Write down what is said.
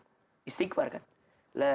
jadi allah mengucapkan istighfar